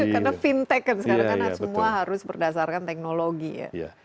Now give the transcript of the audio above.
karena fintech kan sekarang semua harus berdasarkan teknologi ya